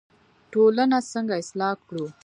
ټولنه څنګه اصلاح کړو؟